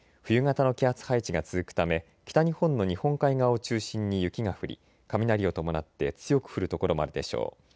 冬型の気圧配置が続くため北日本の日本海側を中心に雪が降り、雷を伴って強く降る所もあるでしょう。